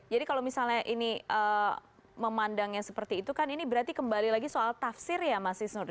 jadi kalau misalnya ini memandangnya seperti itu kan ini berarti kembali lagi soal tafsir ya mas isnur